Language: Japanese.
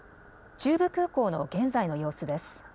中部空港の現在の様子です。